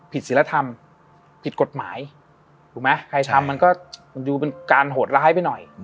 ศิลธรรมผิดกฎหมายถูกไหมใครทำมันก็ดูเป็นการโหดร้ายไปหน่อย